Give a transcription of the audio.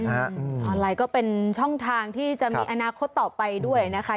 ออนไลน์ก็เป็นช่องทางที่จะมีอนาคตต่อไปด้วยนะคะ